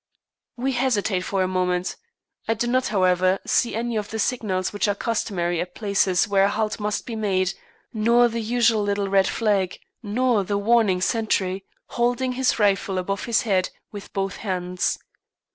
We hesitate for a moment. I do not, however, see any of the signals which are customary at places where a halt must be made, nor the usual little red flag, nor the warning sentry, holding his rifle above his head with both hands.